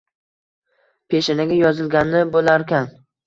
Peshanaga yozilgani bo`larkan